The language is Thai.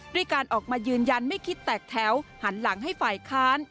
ด้วยการออกมายืนยันไม่คิดแตกแถวหันหลังให้ฝ่ายค้าน